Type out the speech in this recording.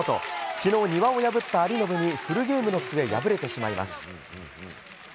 昨日、丹羽を破った有延にフルゲームの末敗れてしまいます。